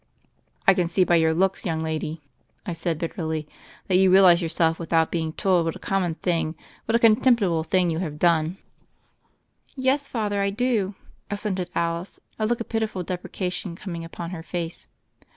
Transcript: "I can see by your looks, young lady," I said bitterly, "that you realize yourself without being told what a common thing, what a contemptible thing you have done." 174 THE FAIRY OF THE SNOWS *TeSt Father, I do," assented Alice, a look of pitiful deprecation coming upon her face.